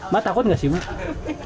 mbak takut gak sih mbak